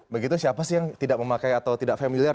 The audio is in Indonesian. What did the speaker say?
begitu siapa sih yang tidak memakai atau tidak familiar